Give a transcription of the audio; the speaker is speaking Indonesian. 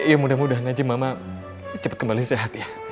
ya mudah mudahan aja mama cepet kembali sehat ya